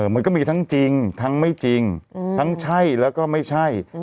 มันก็มีทั้งจริงทั้งไม่จริงทั้งใช่แล้วก็ไม่ใช่